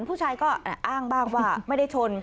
ผู้ชายก็อ้างบ้างว่าไม่ได้ชน